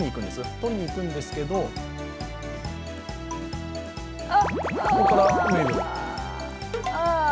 取りに行くんですけどあ。